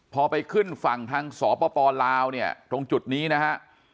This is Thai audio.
พอไปขึ้นฝั่งทางสปลาวเนี่ยตรงจุดนี้นะฮะ